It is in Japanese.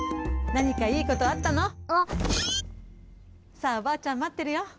さあおばあちゃんまってるよ。